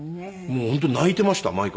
もう本当に泣いていました毎回。